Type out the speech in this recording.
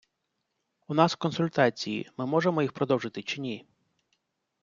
У нас консультації, ми можемо їх продовжити чи ні?